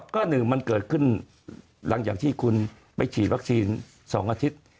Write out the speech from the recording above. ก็หนึ่งมันเกิดขึ้นหลังจากที่คุณไปฉีดวัคซีน๒อาทิตย์